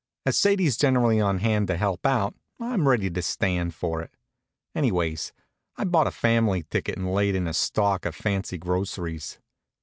As Sadie's generally on hand to help out, I'm ready to stand for it. Anyways, I've bought a fam'ly ticket and laid in a stock of fancy groceries.